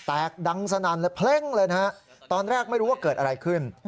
ดังสนั่นเลยเพล้งเลยนะฮะตอนแรกไม่รู้ว่าเกิดอะไรขึ้น